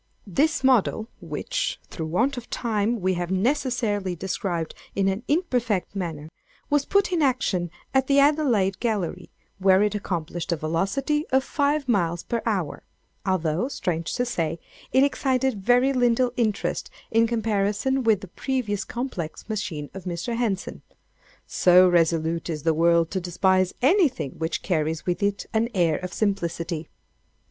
"This model (which, through want of time, we have necessarily described in an imperfect manner,) was put in action at the Adelaide Gallery, where it accomplished a velocity of five miles per hour; although, strange to say, it excited very little interest in comparison with the previous complex machine of Mr. Henson—so resolute is the world to despise anything which carries with it an air of simplicity.